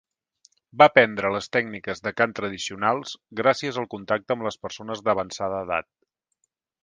Va aprendre les tècniques de cant tradicionals gràcies al contacte amb les persones d'avançada edat.